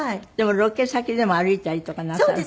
でもロケ先でも歩いたりとかなさる？